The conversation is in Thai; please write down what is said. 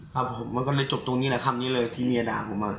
ครับผมมันก็เลยจบตรงนี้แหละคำนี้เลยที่เมียด่าผมอ่ะ